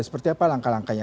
seperti apa langkah langkahnya